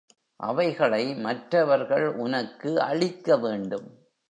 அவைகளை மற்றவர்கள் உனக்கு அளிக்க வேண்டும்.